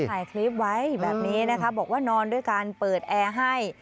ถ่ายคลิปไว้แบบนี้นะคะบอกว่านอนด้วยการเปิดแอร์ให้